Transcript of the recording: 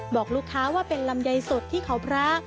บอกลูกค้าว่าเป็นลำไยสดที่เขาพระ